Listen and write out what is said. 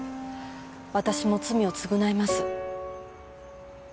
私も罪を償います。